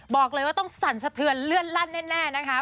บอกเลยว่าต้องสั่นสะเทือนเลื่อนลั่นแน่นะคะ